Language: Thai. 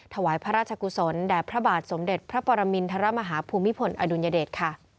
ถวายพระราชกุศลแด่พระบาทสมเด็จพระปรมินทรมาฮาภูมิพลอดุลยเดชค่ะ